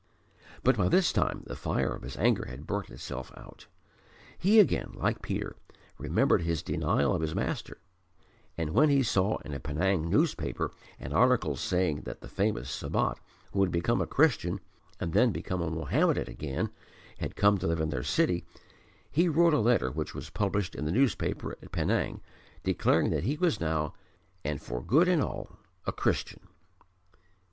But by this time the fire of his anger had burnt itself out. He again like Peter remembered his denial of his Master, and when he saw in a Penang newspaper an article saying that the famous Sabat, who had become a Christian and then become a Mohammedan again, had come to live in their city, he wrote a letter which was published in the newspaper at Penang declaring that he was now and for good and all a Christian.